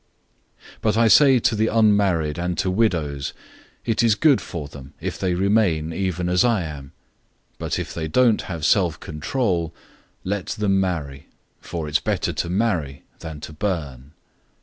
007:008 But I say to the unmarried and to widows, it is good for them if they remain even as I am. 007:009 But if they don't have self control, let them marry. For it's better to marry than to burn.